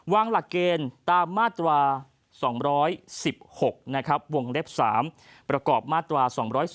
หลักเกณฑ์ตามมาตรา๒๑๖วงเล็บ๓ประกอบมาตรา๒๒